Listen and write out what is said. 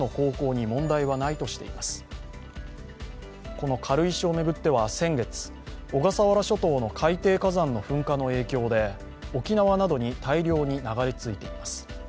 この軽石を巡っては先月、小笠原諸島の海底火山の噴火の影響で沖縄などに大量に流れ着いています。